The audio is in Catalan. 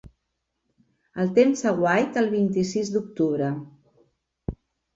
El temps a Witt el vint-i-sis d'octubre